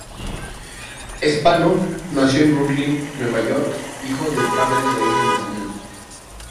Spano nació en Brooklyn, Nueva York, hijo de padres de origen italiano.